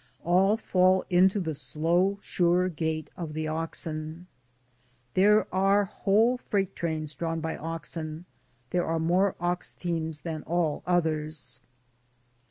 All fall into the slow, sure gait of the oxen. DAYS ON THE ROAD. 77 There are whole freight trains drawn by oxen; there are more ox teams than all others.